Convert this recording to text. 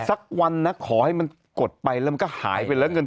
สักวันนะขอให้มันกดไปแล้วมันก็หายไปแล้วเงิน